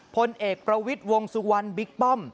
พลเอกประวิทย์วงสุวรรณบิ๊กป้อม